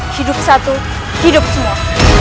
hidup satu hidup semua